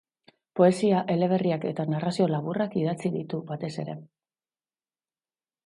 Poesia, eleberriak eta narrazio laburrak idatzi ditu batez ere.